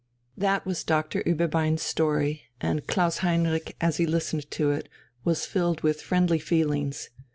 That was Doctor Ueberbein's story, and Klaus Heinrich, as he listened to it, was filled with friendly feelings.